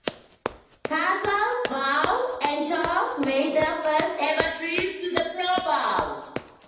Cassel, Bowe and Charles made their first ever trip to the Pro Bowl.